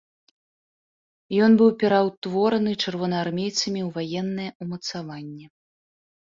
Ён быў пераўтвораны чырвонаармейцамі ў ваеннае ўмацаванне.